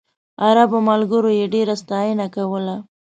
عربو ملګرو یې ډېره ستاینه کوله.